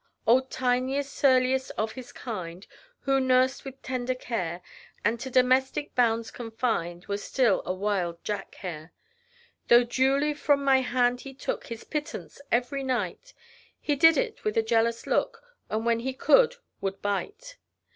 Old Tiney, surliest of his kind, Who, nursed with tender care, And to domestic bounds confined, Was still a wild Jack hare. Though duly from my hand he took His pittance every night, He did it with a jealous look, And when he could, would bite.